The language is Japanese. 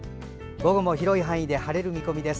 午後も広い範囲で晴れる見込みです。